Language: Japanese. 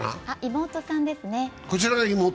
妹さんですね。